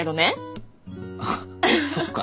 あっそっか。